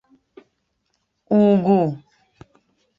ùgwù